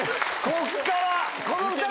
こっから！